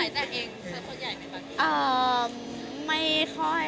เธอขายแจกเองเป็นคนใหญ่ไหมบางที